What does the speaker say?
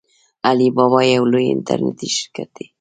علي بابا یو لوی انټرنیټي شرکت دی.